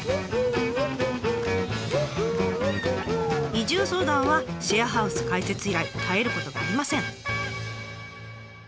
移住相談はシェアハウス開設以来絶えることがありません。